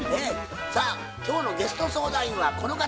さあ今日のゲスト相談員はこの方。